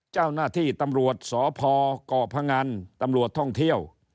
เจ้าหน้าที่ตำรวจสพเกาะพงันตำรวจท่องเที่ยว